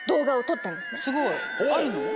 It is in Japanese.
すごいあるの？